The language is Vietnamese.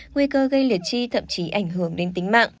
nguy cơ gây liệt chi thậm chí ảnh hưởng đến tính mạng